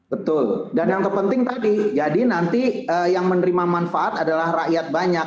betul dan yang terpenting tadi jadi nanti yang menerima manfaat adalah rakyat banyak